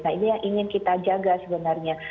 nah ini yang ingin kita jaga sebenarnya